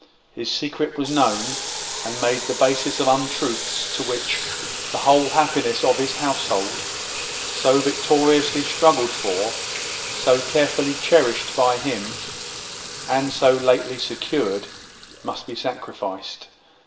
His secret was known, and made the basis of untruths to which the whole happiness of his household, so victoriously struggled for, so carefully cherished by him, and so lately secured, must be sacrificed.